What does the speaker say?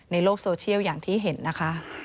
ในโลกโซเชียลอย่างที่เห็นนะคะ